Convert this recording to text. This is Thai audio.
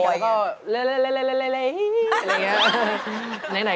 โฮลาเลโฮลาเล